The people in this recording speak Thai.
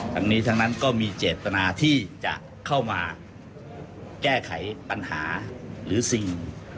ทั้งนี้ทั้งนั้นก็มีเจตนาที่จะเข้ามาแก้ไขปัญหาหรือสิ่ง